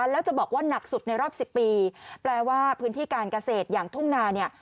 แล้วจะบอกว่าหนักสุดในรอบ๑๐ปีแปลว่าพื้นที่การเกษตรอย่างทุ่งนาเนี่ย